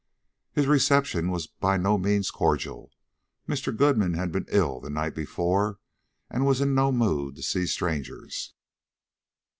His reception was by no means cordial. Mr. Goodman had been ill the night before, and was in no mood to see strangers.